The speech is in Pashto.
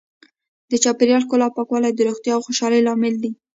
د چاپیریال ښکلا او پاکوالی د روغتیا او خوشحالۍ لامل دی.